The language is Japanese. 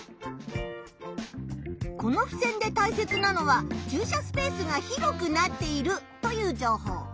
このふせんでたいせつなのは「駐車スペースが広くなっている」という情報。